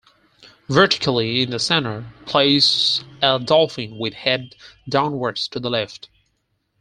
Vertically in the centre, place a Dolphin with head downwards to the left.